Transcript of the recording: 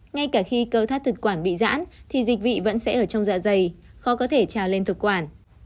ngay cả khi cơ thắt thực quản bị giãn thì dịch vị vẫn sẽ ở trong dạ dày khó có thể trào lên thực quản